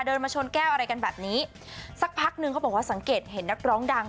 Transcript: เดินมาชนแก้วอะไรกันแบบนี้สักพักนึงเขาบอกว่าสังเกตเห็นนักร้องดัง